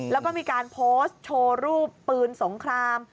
แล้วก็มีการโพสต์โชว์รูปปืนสงคราม